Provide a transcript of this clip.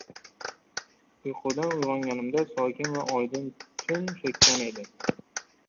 Uyqudan uygʻonganimda sokin va oydin tun choʻkkan edi.